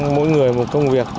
mỗi người một công việc